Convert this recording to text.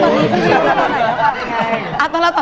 อะไรตอนนี้ละคะ